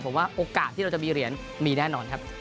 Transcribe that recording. ผมว่าโอกาสที่เราจะมีเหรียญมีแน่นอนครับ